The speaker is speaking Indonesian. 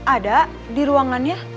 ada di ruangannya